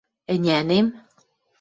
— Ӹнянем!